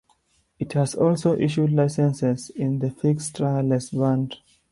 It has also issued licenses in the fixed wireless band.